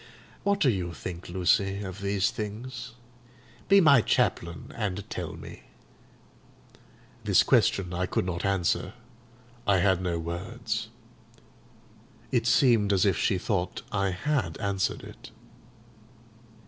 What do you think, Lucy, of these things? Be my chaplain, and tell me." This question I could not answer: I had no words. It seemed as if she thought I had answered it.